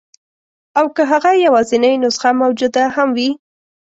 او که هغه یوازنۍ نسخه موجوده هم وي.